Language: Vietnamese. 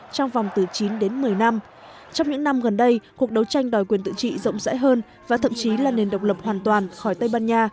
trong vòng từ chín đến một mươi năm trong những năm gần đây cuộc đấu tranh đòi quyền tự trị rộng rãi hơn và thậm chí là nền độc lập hoàn toàn khỏi tây ban nha